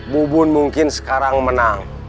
bubun mungkin sekarang menang